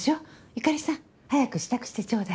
由香里さん早く支度してちょうだい。